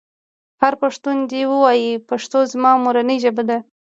هر پښتون دې ووايي پښتو زما مورنۍ ژبه ده.